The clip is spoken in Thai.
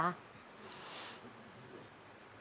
แม่จ๋าแม่ทราบวันเกิดของทุกคนในบ้านไหมจ๊ะ